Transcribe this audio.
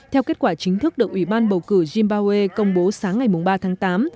theo kết quả chính thức được ủy ban bầu cử zimbabwe công bố sáng ngày ba tháng tám